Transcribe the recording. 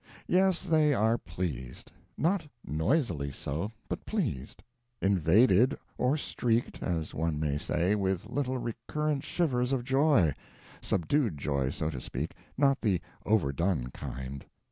Yes, they are pleased; not noisily so, but pleased; invaded, or streaked, as one may say, with little recurrent shivers of joy subdued joy, so to speak, not the overdone kind.